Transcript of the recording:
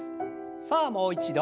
さあもう一度。